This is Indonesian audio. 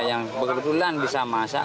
yang sangat mudah untuk memasak